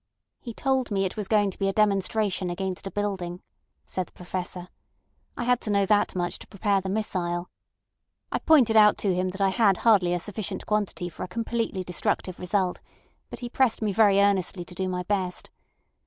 "He told me it was going to be a demonstration against a building," said the Professor. "I had to know that much to prepare the missile. I pointed out to him that I had hardly a sufficient quantity for a completely destructive result, but he pressed me very earnestly to do my best.